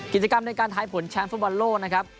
กิจกรรมในการทายผลแชมป์ฟุตบอลโลกนะครับ